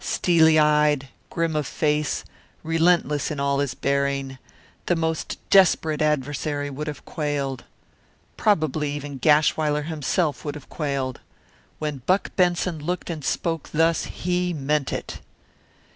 Steely eyed, grim of face, relentless in all his bearing, the most desperate adversary would have quailed. Probably even Gashwiler himself would have quailed. When Buck Benson looked and spoke thus he meant it.